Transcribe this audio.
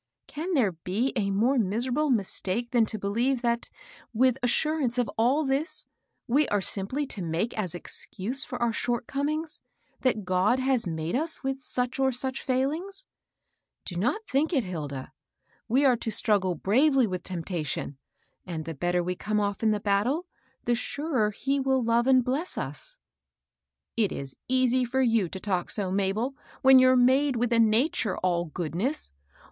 Can there be a more miserable mistake than to believe, that, with assurance of all HILDA. 83 this, we are simply to make as excuse for our short comings, that God has made us with such or such feiilings ? Do not think it, Hilda. We are to struggle bravely with temptation ; and the bet ter we come off in the battle, the surer He will love and bless us." " it is easy for you to talk so, Mabel, when you're made with a nature all goodness.